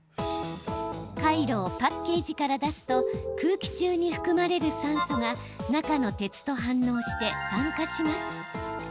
カイロをパッケージから出すと空気中に含まれる酸素が中の鉄と反応して酸化します。